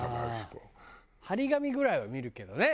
貼り紙ぐらいは見るけどね